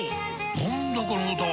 何だこの歌は！